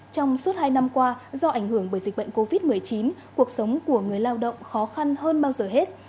trong suốt hai năm qua do ảnh hưởng bởi dịch bệnh covid một mươi chín cuộc sống của người lao động khó khăn hơn bao giờ hết